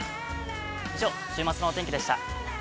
以上、週末のお天気でした。